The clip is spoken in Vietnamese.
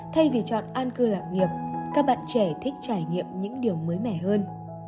thay vì chọn an cư lạc nghiệp các bạn trẻ thích trải nghiệm những điều mới mẻ hơn